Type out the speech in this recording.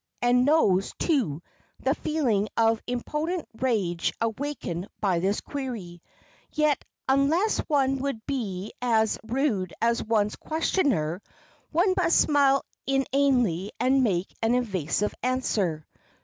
and knows, too, the feeling of impotent rage awakened by this query. Yet, unless one would be as rude as one's questioner, one must smile inanely and make an evasive answer.